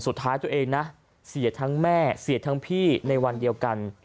สุดท้ายตัวเองนะเสียทั้งแม่เสียทั้งพี่ในวันเดียวกัน